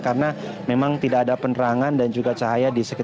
karena memang tidak ada penerangan dan juga tidak ada pertumbuhan